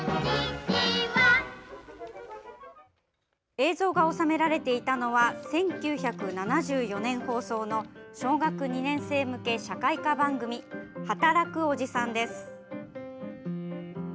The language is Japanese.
映像が収められていたのは１９７４年放送の小学２年生向け社会科番組「はたらくおじさん」です。